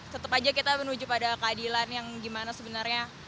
tetap aja kita menuju pada keadilan yang gimana sebenarnya